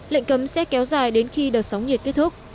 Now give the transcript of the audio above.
lệnh cấm sẽ kéo dài đến khi đợt sóng nhiệt kết thúc